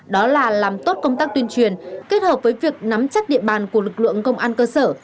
đó là làm tốt công tác tuyên truyền kết hợp với việc nắm chắc địa bàn của lực lượng công an cơ sở